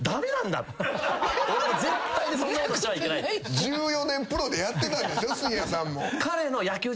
１４年プロでやってたんでしょ杉谷さんも。